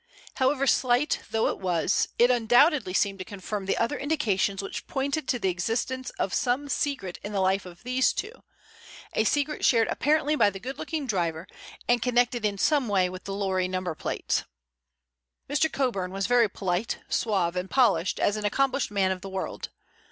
However, slight though it was, it undoubtedly seemed to confirm the other indications which pointed to the existence of some secret in the life of these two, a secret shared apparently by the good looking driver and connected in some way with the lorry number plates. Mr. Coburn was very polite, suave and polished as an accomplished man of the world.